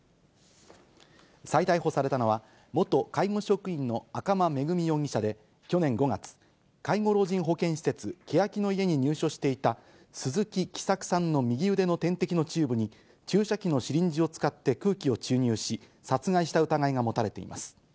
再逮捕されたのは、元介護職員の赤間恵美容疑者で、去年５月、介護老人保健施設、けやきの舎に入所していた鈴木喜作さんの右腕の点滴のチューブに注射器のシリンジを使って空気を注入し、殺害した疑いが持たれています。